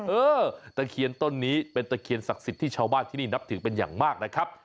เออตะเคียนต้นนี้เป็นตะเคียนศักดิ์สิทธิ์ที่ชาวบ้านที่นี่นับถือเป็นอย่างมากนะครับ